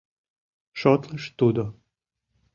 Шотлыш, тудо